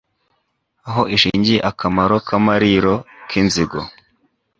Aho ishingiye akamaro, Kamariro k'inzigo